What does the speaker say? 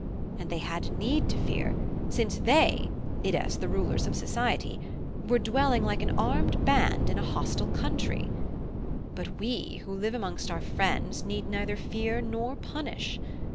And they had need to fear, since they i.e., the rulers of society were dwelling like an armed band in a hostile country. But we who live amongst our friends need neither fear nor punish.